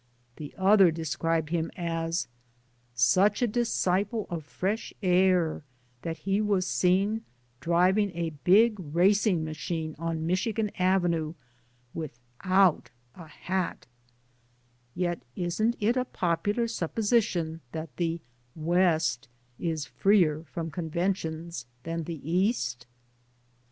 The other described ^irn as such a disciple of fresh air that he was seen driving a big racing machine on Michigan Avenue without a hatl Yet isn't it a popular suppo sition that the West is freer from conventions than the East!